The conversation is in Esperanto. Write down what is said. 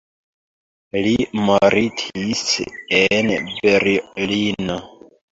Li mortis en Berlino.